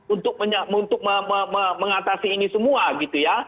untuk mengatasi ini semua gitu ya